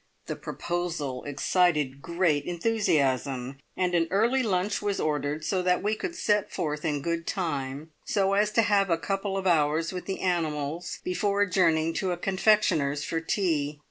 The proposal excited great enthusiasm, and an early lunch was ordered so that we could set forth in good time, so as to have a couple of hours with the animals before adjourning to a confectioner's for tea.